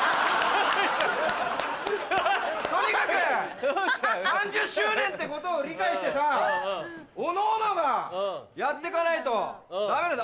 とにかく３０周年ってことを理解してさおのおのがやってかないとダメだぞ。